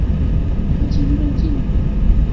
由秦至晋期间一直是河内郡的治所。